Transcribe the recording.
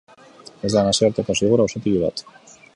Ez da Nazioarteko Zigor Auzitegi bat.